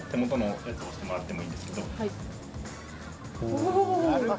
お！